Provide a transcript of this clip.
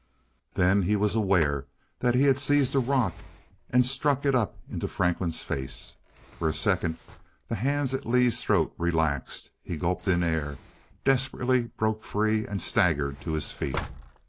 Then he was aware that he had seized a rock and struck it up into Franklin's face. For a second the hands at Lee's throat relaxed. He gulped in air, desperately broke free and staggered to his feet.